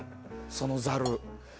そのザル。